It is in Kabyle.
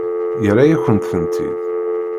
Yerra-yakent-tent-id.